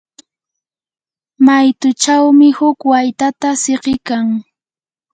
maytuchawmi huk waytata siqikan.